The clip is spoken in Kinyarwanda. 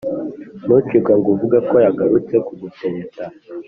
Ntucikwe ngo uvugeko yagarutse kugutereta